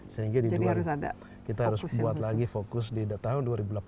sehingga kita harus buat lagi fokus di tahun dua ribu delapan belas